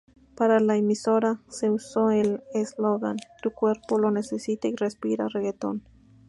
Para la emisora se uso el eslogan "Tu cuerpo lo necesita" y "Respira reggaeton".